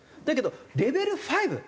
だけどレベル５。